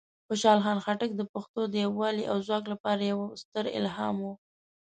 خوشحال خان خټک د پښتنو د یوالی او ځواک لپاره یوه ستره الهام وه.